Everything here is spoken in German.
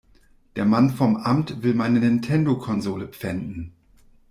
Der Mann vom Amt will meine Nintendo-Konsole pfänden.